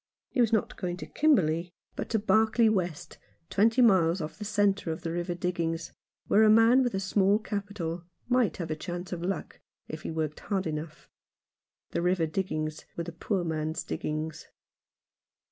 He was not going to Kimberley, but to Barkly 49 E Rough Justice. West, twenty miles off the centre of the River Diggings, where a man with a small capital might have a chance of luck, if he worked hard enough. The River Diggings were the poor man's diggings.